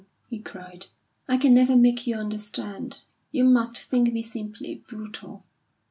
he cried. "I can never make you understand. You must think me simply brutal.